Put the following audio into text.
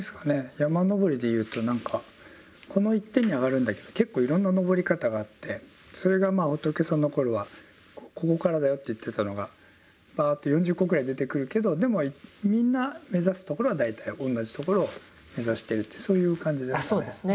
山登りで言うと何かこの１点に上がるんだけど結構いろんな登り方があってそれが仏様の頃はここからだよと言っていたのがぱっと４０個ぐらい出てくるけどでもみんな目指すところは大体同じ所を目指してるってそういう感じですかね。